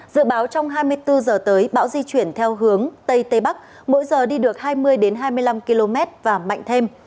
dự báo trong hai mươi bốn h tới bão di chuyển theo hướng tây tây bắc mỗi giờ đi được hai mươi hai mươi năm km và mạnh thêm